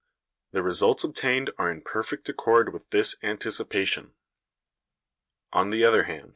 The results obtained are in perfect accord with this anticipation. On the other hand, M.